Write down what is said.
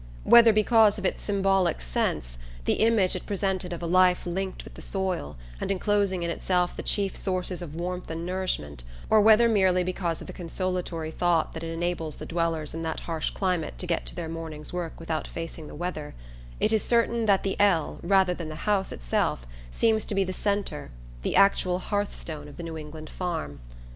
Whether because of its symbolic sense, the image it presents of a life linked with the soil, and enclosing in itself the chief sources of warmth and nourishment, or whether merely because of the consolatory thought that it enables the dwellers in that harsh climate to get to their morning's work without facing the weather, it is certain that the "L" rather than the house itself seems to be the centre, the actual hearth stone of the New England farm.